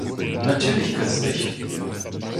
Natürlich künstlich!